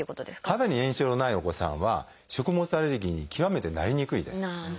肌に炎症のないお子さんは食物アレルギーに極めてなりにくいです。